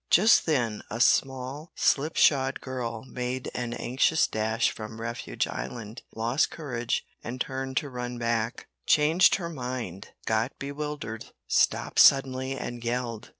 Just then a small slipshod girl made an anxious dash from refuge island, lost courage, and turned to run back, changed her mind, got bewildered, stopped suddenly and yelled.